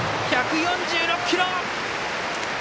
１４６キロ！